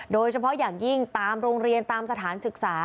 โดยเฉพาะอย่างยิ่งตามโรงเรียนตามสถานศึกษา